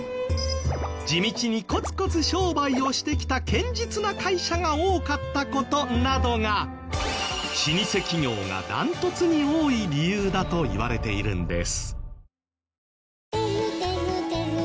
地道にコツコツ商売をしてきた堅実な会社が多かった事などが老舗企業がダントツに多い理由だといわれているんです。